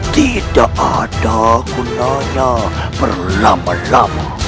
tidak ada gunanya berlama lama